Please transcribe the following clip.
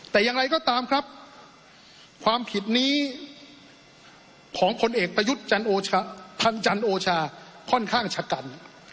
แต่อย่างไรก็ตามครับความผิดนี้ของผลเอกประยุทธ์จันโอชาค่อนข้างชะกัน